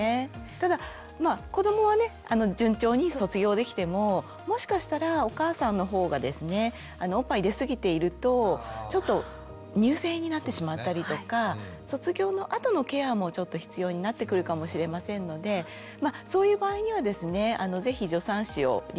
ただ子どもはね順調に卒業できてももしかしたらお母さんのほうがですねおっぱい出過ぎているとちょっと乳腺炎になってしまったりとか卒業のあとのケアもちょっと必要になってくるかもしれませんのでそういう場合にはですね是非助産師を利用してもらうといいと思います。